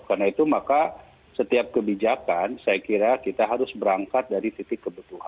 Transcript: karena itu maka setiap kebijakan saya kira kita harus berangkat dari titik kebutuhan